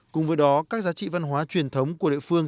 cùng với đó các giá trị văn hóa truyền thống của địa phương